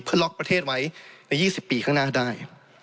เพื่อล็อกประเทศไว้ใน๒๐ปีข้างหน้าได้